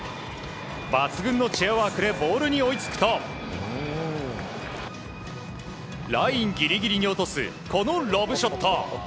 抜群のチェアワークでボールに追いつくとラインぎりぎりに落とすこのロブショット。